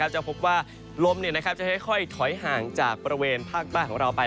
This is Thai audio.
จะพบว่าลมจะค่อยถอยห่างจากบริเวณภาคใต้ของเราไป